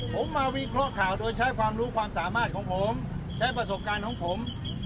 ผมมาวิเคราะห์ข่าวโดยใช้ความรู้ความสามารถของผมใช้ประสบการณ์ของผม